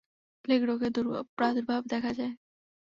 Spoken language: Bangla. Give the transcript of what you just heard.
প্লেগ রোগের প্রাদুর্ভাব দেখা দেয়।